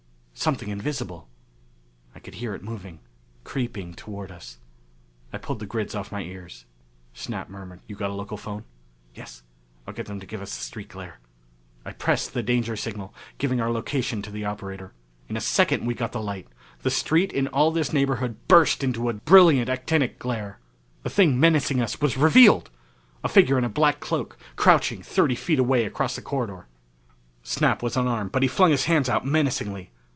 Something invisible! I could hear it moving. Creeping toward us. I pulled the grids off my ears. Snap murmured, "You've got a local phone?" "Yes. I'll get them to give us the street glare!" I pressed the danger signal, giving our location to the operator. In a second we got the light. The street in all this neighborhood burst into a brilliant actinic glare. The thing menacing us was revealed! A figure in a black cloak, crouching thirty feet away across the corridor. Snap was unarmed but he flung his hands out menacingly.